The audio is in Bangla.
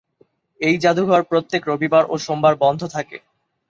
এই জাদুঘর প্রত্যেক রবিবার ও সোমবার বন্ধ থাকে।